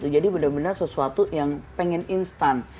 jadi benar benar sesuatu yang pengen instan